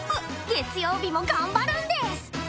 月曜日も頑張るンデス！